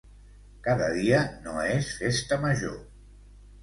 Cada dia no és festa major.